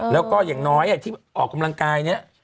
แล้วก็อย่างน้อยที่ออกกำลังกายเนี่ย